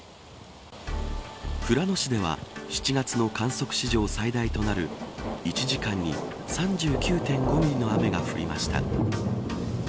富良野市では７月の観測史上最大となる１時間に３９．５ミリの雨が降りました。